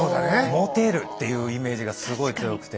モテるっていうイメージがすごい強くて。